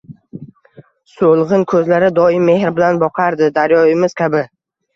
so’lg’in ko’zlari doim mehr bilan boqardi, daryomiz kabi…